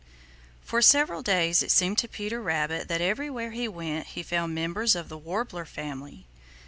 For several days it seemed to Peter Rabbit that everywhere he went he found members of the Warbler family.